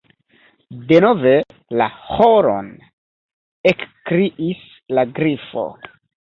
"Denove la ĥoron," ekkriis la Grifo.